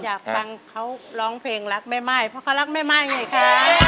อยากขังว่าเขาร้องเพลงลักเห็นไม่ใหม่เพราะเขารักให้ไม่มากไปไงคะ